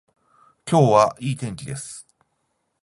今日はいい天気です